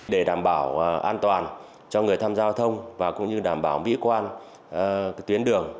để đảm bảo an toàn cho người tham gia giao thông và cũng như đảm bảo mỹ quan tuyến đường